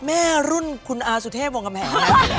แม่รุ่นคุณอาสุเทพวงกำแหง